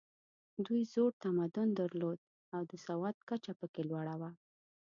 دوی زوړ تمدن درلود او د سواد کچه پکې لوړه وه.